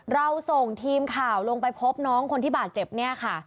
เราส่งทีมข่าวลงไปพบน้องคนที่บาดเจ็บเนี่ยค่ะ